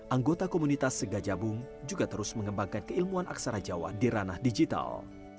anggota komunitas segajabung juga terus mengembangkan keilmuan aksara jawa di ranah digital